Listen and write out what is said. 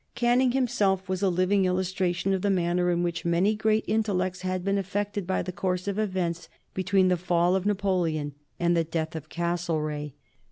Canning himself was a living illustration of the manner in which many great intellects had been affected by the course of events between the fall of Napoleon and the death of Castlereagh.